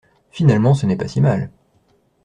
Finalement, ce n'est pas si mal.